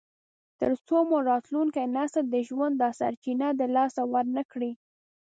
تر څو مو راتلونکی نسل د ژوند دا سرچینه د لاسه ورنکړي.